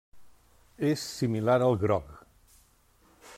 És similar al grog.